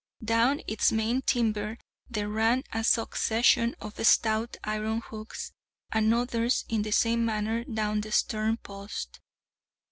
Down its main timber there ran a succession of stout iron hooks, and others in the same manner down the stern post.